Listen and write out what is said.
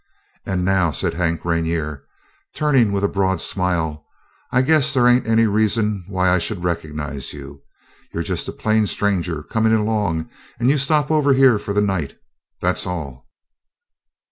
"And now," said Hank Rainer, turning with a broad smile, "I guess they ain't any reason why I should recognize you. You're just a plain stranger comin' along and you stop over here for the night. That all?"